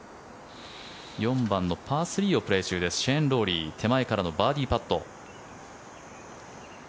４番のパー３をプレー中のシェーン・ロウリー手前からのバーディーパット。